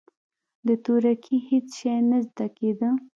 د تورکي هېڅ شى نه زده کېده.